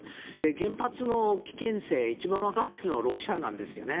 原発の危険性一番わかっているのはロシアなんですよね。